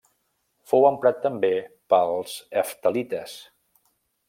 Fou emprat també pels heftalites.